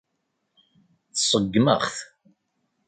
Tseggem-aɣ-t.